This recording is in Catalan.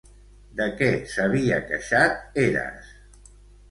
De què s'havia queixat Heras?